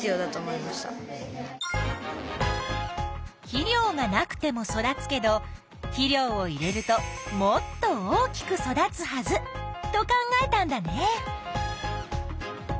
肥料がなくても育つけど肥料を入れるともっと大きく育つはずと考えたんだね。